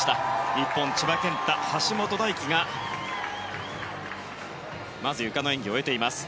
日本、千葉健太、橋本大輝がまずゆかの演技を終えています。